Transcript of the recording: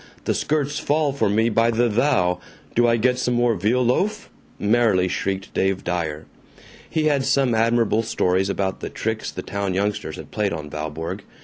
The skirts fall for me by the thou. Do I get some more veal loaf?" merrily shrieked Dave Dyer. He had some admirable stories about the tricks the town youngsters had played on Valborg.